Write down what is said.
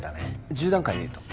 １０段階で言うと？